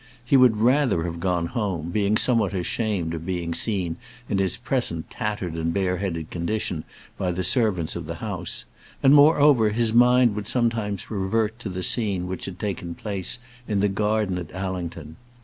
He would rather have gone home, being somewhat ashamed of being seen in his present tattered and bare headed condition by the servants of the house; and moreover, his mind would sometimes revert to the scene which had taken place in the garden at Allington.